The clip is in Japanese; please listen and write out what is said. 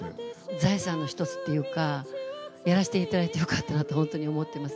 財産の一つというか、やらせていただいてよかったなと本当に思ってます。